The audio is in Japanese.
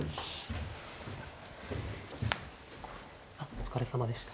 お疲れさまでした。